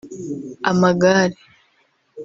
Amagare